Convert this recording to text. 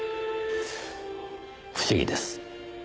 不思議です。